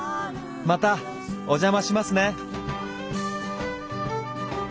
またお邪魔しますね。